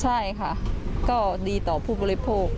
ใช่ค่ะก็ดีต่อผู้บริโภค